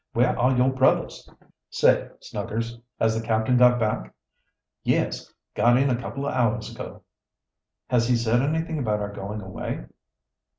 "Where are your brothers?" "Safe, Snuggers. Has the captain got back?" "Yes got in a couple of hours ago." "Has he said anything about our going away?"